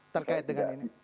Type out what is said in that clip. terkait dengan ini